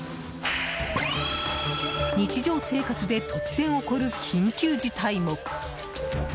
日常生活で突然起こる緊急事態も。